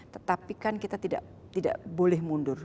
tetapi kan kita tidak boleh mundur